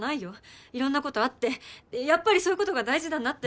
いろんなことあってやっぱりそういうことが大事だなって。